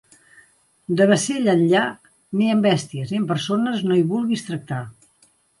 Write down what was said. De Bassella enllà, ni amb bèsties ni amb persones no hi vulguis tractar.